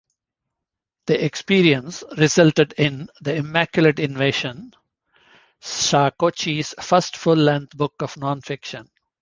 The experience resulted in "The Immaculate Invasion", Shacochis's first full-length book of nonfiction.